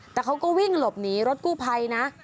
แต่เขาก็วิ่งหลบหนีรถกู้ภัยนะ